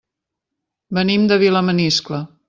Venim de Vilamaniscle.